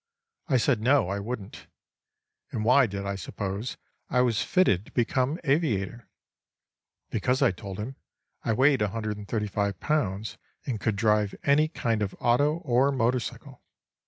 I said no, I wouldn't. And why did I suppose I was fitted to become aviator? Because, I told him, I weighed 135 pounds and could drive any kind of auto or motorcycle.